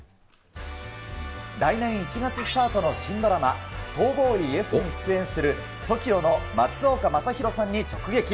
来年１月スタートの新ドラマ、逃亡医Ｆに出演するＴＯＫＩＯの松岡昌宏さんに直撃。